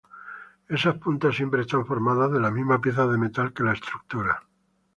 Esas puntas siempre están formadas de la misma pieza de metal que la estructura.